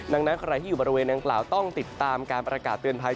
ดังนั้นใครที่อยู่บริเวณนางกล่าวต้องติดตามการประกาศเตือนภัย